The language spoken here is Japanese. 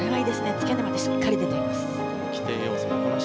付け根もしっかり出ています。